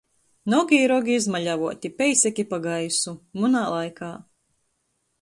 Nogi i rogi izmaļavuoti, peisaki pa gaisu. Munā laikā.